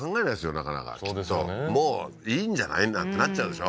なかなかきっともういいんじゃない？なんてなっちゃうでしょ